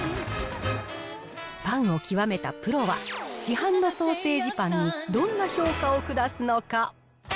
パンを極めたプロは、市販のソーセージパンにどんな評価を下すのか。